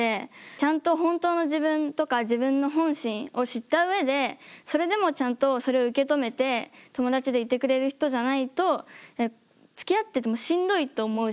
ちゃんと本当の自分とか自分の本心を知った上でそれでもちゃんとそれを受け止めて友達でいてくれる人じゃないとつきあっててもしんどいと思うし。